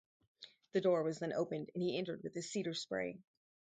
The door was then opened and he entered with his cedar spray.